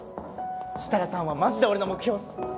設楽さんはマジで俺の目標っす！